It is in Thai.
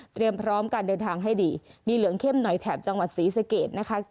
พร้อมการเดินทางให้ดีมีเหลืองเข้มหน่อยแถบจังหวัดศรีสะเกดนะคะ